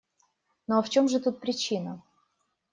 Ну а в чем же тут причина?